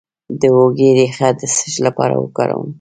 د هوږې ریښه د څه لپاره وکاروم؟